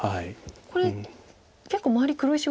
これ結構周り黒石